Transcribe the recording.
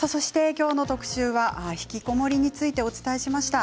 今日の特集はひきこもりについてお伝えしました。